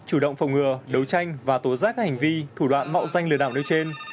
chủ động phòng ngừa đấu tranh và tố giác các hành vi thủ đoạn mạo danh lừa đảo nơi trên